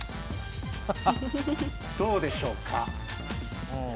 どうでしょうか？